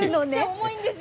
重いんです。